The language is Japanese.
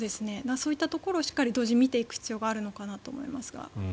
そういったところを同時に見ていく必要があるのかなと思いますが。